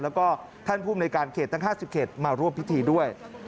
แล้วก็ท่านภูมิในการเขตทั้ง๕๐เขตมาร่วมพิธีด้วย